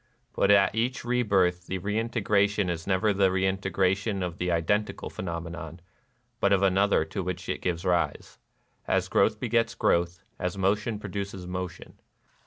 But at each rebirth the reintegration is never the reintegration of the identical phenomenon, but of another to which it gives rise, — as growth begets growth, as motion produces motion.